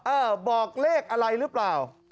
เออบอกเลขอะไรหรือเปล่า